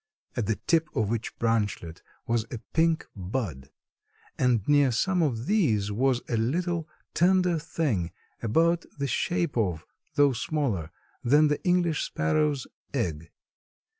At the tip of each branchlet was a pink bud, and near some of these was a little, tender thing about the shape of, though smaller, than the English sparrow's egg.